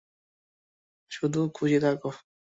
শুধু খুশি থাকো।